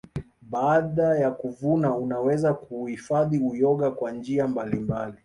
Baada ya kuvuna unaweza kuuhifadhi uyoga kwa njia mbalimbali